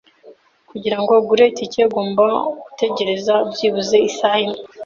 Kugirango ugure itike, ugomba gutegereza byibuze isaha imwe.